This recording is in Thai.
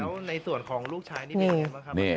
แล้วในส่วนของลูกชายนี่เป็นยังไงบ้างครับ